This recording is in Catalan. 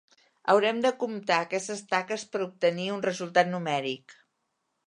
Haurem de comptar aquestes taques per obtenir un resultat numèric.